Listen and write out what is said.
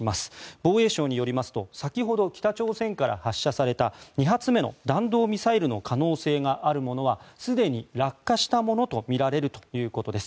防衛省によりますと先ほど北朝鮮から発射された２発目の弾道ミサイルの可能性があるものはすでに落下したものとみられるということです。